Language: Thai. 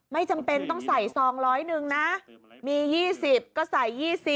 ไม่จำเป็นต้องใส่ซองร้อยหนึ่งนะมี๒๐ก็ใส่๒๐